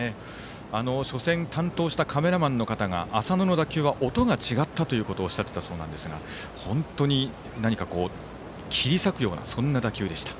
初戦、担当したカメラマンの方が浅野の打球は音が違っていたとおっしゃっていたそうなんですが本当に何か切り裂くようなそんな打球でした。